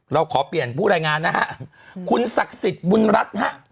เราขอเปลี่ยนผู้รายงานนะฮะคุณศักดิ์สิทธิ์บุญรัฐฮะ